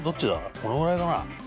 このぐらいかな？